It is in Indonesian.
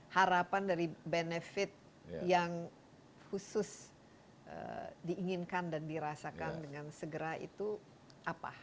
harapan dari benefit yang khusus diinginkan dan dirasakan dengan segera itu apa